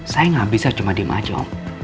saya gak bisa cuma diem aja om